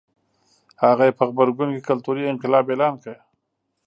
هغه یې په غبرګون کې کلتوري انقلاب اعلان کړ.